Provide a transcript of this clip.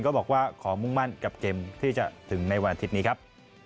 ก็บอกว่าขอมุ่งมั่นกับเกมที่จะถึงในวันอาทิตย์นี้ครับ